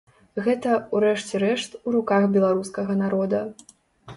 Гэта, у рэшце рэшт, у руках беларускага народа.